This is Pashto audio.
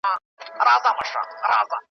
نازولې د بادار یم معتبره .